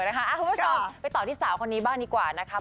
คุณผู้ชมไปต่อที่สาวคนนี้บ้างดีกว่านะคะ